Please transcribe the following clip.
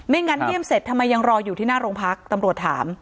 งั้นเยี่ยมเสร็จทำไมยังรออยู่ที่หน้าโรงพักตำรวจถาม